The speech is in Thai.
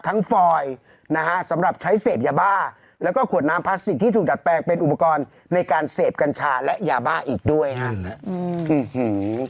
ฟอยนะฮะสำหรับใช้เสพยาบ้าแล้วก็ขวดน้ำพลาสติกที่ถูกดัดแปลงเป็นอุปกรณ์ในการเสพกัญชาและยาบ้าอีกด้วยฮะ